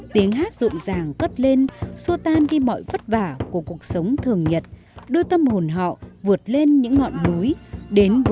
tiếng hát rụng ràng cất lên xua tan đi mọi vất vả của cuộc sống thường nhật đưa tâm hồn họ vượt lên những ngọn núi đến với ấm no hạnh phúc